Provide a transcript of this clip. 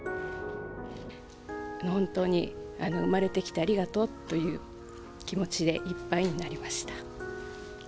本当に生まれてきてありがとうという気持ちでいっぱいになりました。